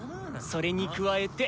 それに加えて。